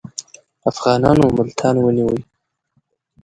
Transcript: افغانانو ملتان ونیوی.